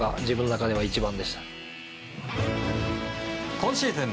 今シーズン